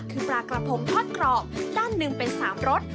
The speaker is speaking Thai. คือปลากระพงทอดกรอบด้านหนึ่งเป็น๓รส